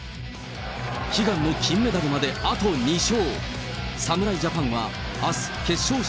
悲願の金メダルまであと２勝。